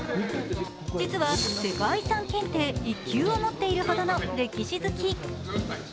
実は世界遺産検定１級を持っているほどの歴史好き。